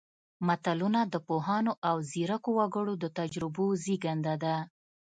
متلونه د پوهانو او ځیرکو وګړو د تجربو زېږنده ده